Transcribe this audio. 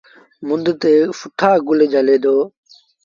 مند تي سُٺآ گل جھلي دو۔